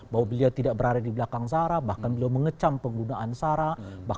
bahwa beliau tidak berada di belakang sarah bahkan beliau mengecam penggunaan sarah